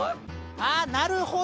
あっなるほど！